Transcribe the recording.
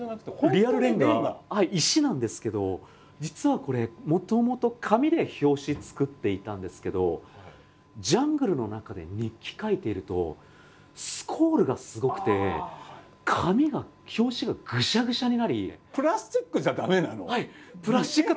リアルレンガ石なんですけど実はこれもともと紙で表紙作っていたんですけどジャングルの中で日記書いているとスコールがすごくて紙が表紙がぐしゃぐしゃになり。